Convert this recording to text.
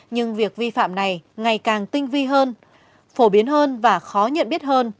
nhưng việc vi phạm này ngày càng tinh vi hơn phổ biến hơn và khó nhận biết hơn